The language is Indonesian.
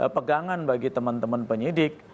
pegangan bagi teman teman penyidik